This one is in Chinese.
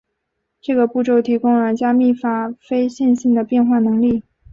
这个步骤提供了加密法非线性的变换能力。